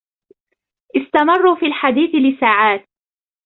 استمروا في الحديث لساعات.